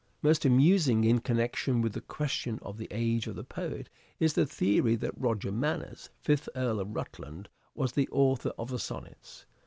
Most amusing in connection with the question of the age of the poet is the theory that Roger Manners, Fifth Earl of Rutland, was the author of the sonnets.